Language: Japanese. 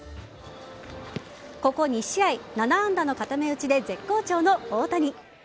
ここ２試合、７安打の固め打ちで絶好調の大谷。